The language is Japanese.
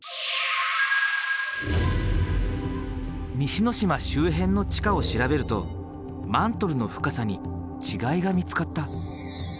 西之島周辺の地下を調べるとマントルの深さに違いが見つかった。